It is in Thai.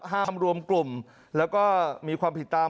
ห้ามรวมกลุ่มแล้วก็มีความผิดตาม